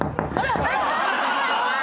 ・・怖い。